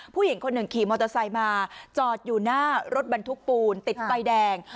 ผู้หญิงคนหนึ่งขี่มอเตอร์ไซค์มาจอดอยู่หน้ารถบรรทุกปูนติดไฟแดง